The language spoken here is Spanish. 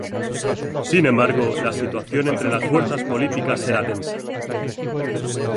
Sin embargo, la situación entre las fuerzas políticas era tensa.